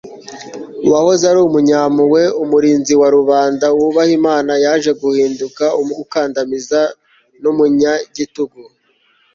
uwahoze ari umunyampuhwe, umurinzi wa rubanda wubaha imana, yaje guhinduka ukandamiza n'umunyagitugu